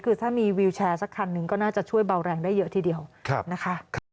คือถ้ามีวิวแชร์สักคันหนึ่งก็น่าจะช่วยเบาแรงได้เยอะทีเดียวนะคะ